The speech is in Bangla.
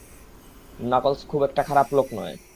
নাকলস খুব একটা খারাপ লোক নয়।